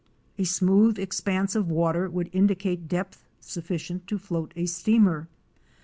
A smooth expanse of water would indicate depth sufficient to float a steamer.